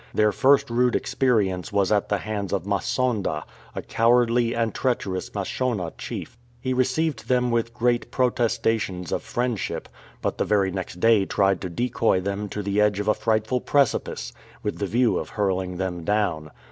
Their first rude experi ence was at the hands of Masonda, a cowardly and treacherous Mashona chief. He received them with great protestations of friendship, but the very next day tried to decoy them to the edge of a frightful precipice, with the view of hurling them down.